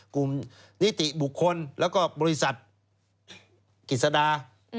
กลุ่มนิติบุคคลแล้วก็บริษัทกิจสดา